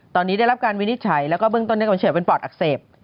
ตอนนี้ได้รับการวินิจฉัยแล้วก็เบื้องต้นกำเฉินเป็นปอดอักเสบ